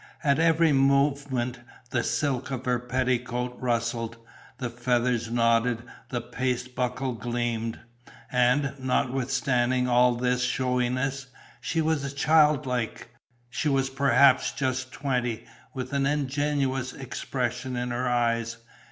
At every movement the silk of her petticoat rustled, the feathers nodded, the paste buckle gleamed. And, notwithstanding all this showiness, she was child like: she was perhaps just twenty, with an ingenuous expression in her eyes.